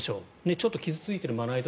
ちょっと傷付いているまな板